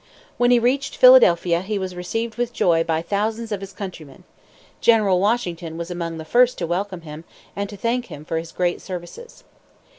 When he reached Philadelphia he was received with joy by thousands of his countrymen. General Washington was among the first to welcome him, and to thank him for his great services.